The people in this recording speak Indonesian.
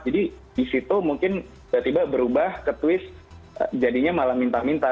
jadi disitu mungkin tiba tiba berubah ke twist jadinya malah minta minta